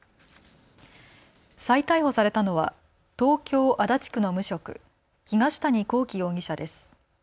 再逮捕されたのは東京足立区の無職、東谷昂紀容疑者です。